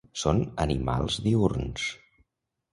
Són animals diürns.